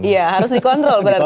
iya harus dikontrol berarti